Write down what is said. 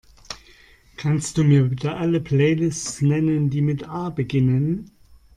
Kannst Du mir bitte alle Playlists nennen, die mit A beginnen?